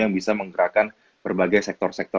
yang bisa menggerakkan berbagai sektor sektor